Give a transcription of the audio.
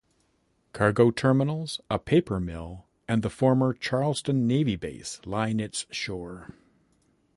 Cargo terminals, a paper mill, and the former Charleston Navy Base line its shore.